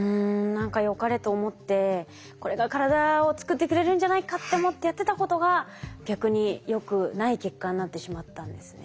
何かよかれと思ってこれが体を作ってくれるんじゃないかって思ってやってたことが逆によくない結果になってしまったんですね。